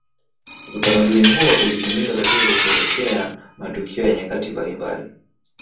Utamaduni huo ulitumika katika kusherehekea matukio ya nyakati mbalimbali